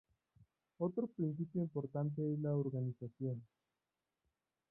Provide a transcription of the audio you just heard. Otro principio importante es la organización.